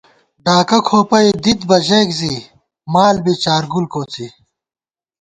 ڈاکہ کھوپَئی دِتۡبہ ژَئیک زِی مال بی چارگل کوڅی